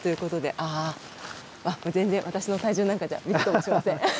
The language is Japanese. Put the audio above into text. あっ全然私の体重なんかじゃビクともしません。